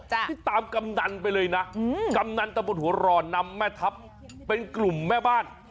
ที่ตามกำนันไปเลยนะกำนันตะบนหัวรอนำแม่ทัพเป็นกลุ่มแม่บ้าน